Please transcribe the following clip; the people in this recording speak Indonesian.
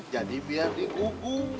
jadi biar dihukum